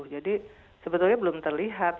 jadi sebetulnya belum terlihat